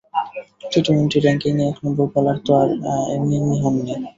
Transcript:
টি twenty র্যাঙ্কিংয়ে এক নম্বর বোলার তো আর এমনি এমনি হননি।